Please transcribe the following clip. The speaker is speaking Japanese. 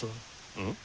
うん？